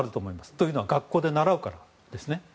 というのは学校で習うからですね。